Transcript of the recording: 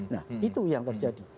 nah itu yang terjadi